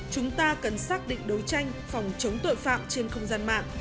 chúng ta cần xác định đấu tranh phòng chống tội phạm trên không gian mạng